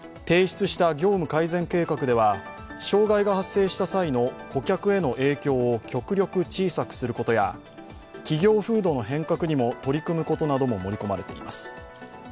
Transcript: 提出した業務改善計画では、障害が発生した際の顧客への影響を極力小さくすることや企業風土の変革にも取り組むことなども盛り込まれています。